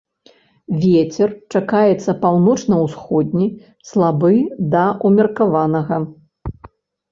Вецер чакаецца паўночна-ўсходні, слабы да ўмеркаванага.